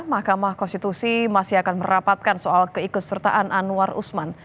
mahkamah konstitusi masih akan merapatkan soal keikutsertaan anwar usman